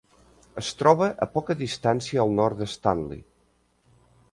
Es troba a poca distància al nord d'Stanley.